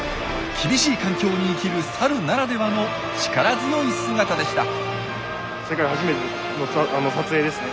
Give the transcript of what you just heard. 厳しい環境に生きるサルならではの力強い姿でした。